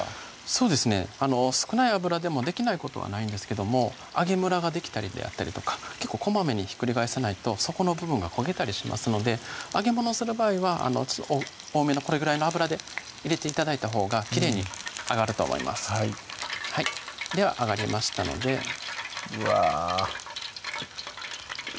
そうですね少ない油でもできないことはないんですけども揚げむらができたりであったりとか結構こまめにひっくり返さないと底の部分が焦げたりしますので揚げものする場合は多めのこれぐらいの油で入れて頂いたほうがきれいに揚がると思いますでは揚がりましたのでうわ